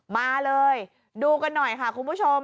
มาเลยดูกันหน่อยค่ะคุณผู้ชม